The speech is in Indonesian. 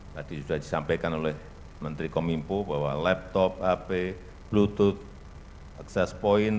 tadi sudah disampaikan oleh menteri kominfo bahwa laptop ap bluetooth access point